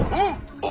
あっ！